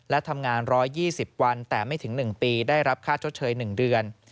และทำงาน๑๒๐วันแต่ไม่ถึง๑ปีได้รับค่าชดเชย๑เดือน